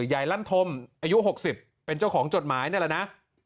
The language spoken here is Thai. ยายลันธมอายุหกสิบเป็นเจ้าของจดหมายนั่นแหละนะ